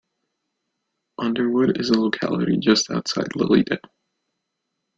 Underwood is a locality just outside Lilydale.